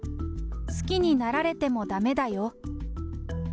好きになられてもだめだよ。